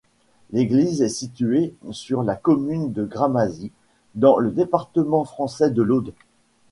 L'église est située sur la commune de Gramazie, dans le département français de l'Aude.